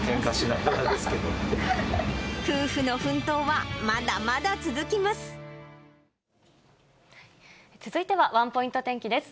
夫婦の奮闘はまだまだ続きま続いてはワンポイント天気です。